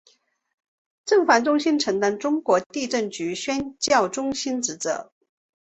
震防中心承担中国地震局宣教中心职责。